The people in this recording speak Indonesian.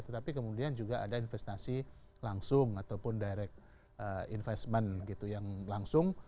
tetapi kemudian juga ada investasi langsung ataupun direct investment gitu yang langsung